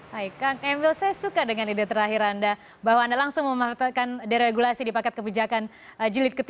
baik kang emil saya suka dengan ide terakhir anda bahwa anda langsung mematakan deregulasi di paket kebijakan julid ke tiga belas